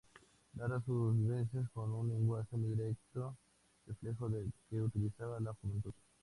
Narra sus vivencias con un lenguaje muy directo, reflejo del que utiliza la juventud.